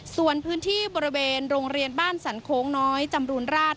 ส่วนพื้นที่บริเวณโรงเรียนบ้านสันโค้งน้อยจำรูนราช